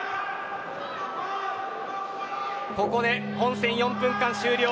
ここで本戦４分間終了。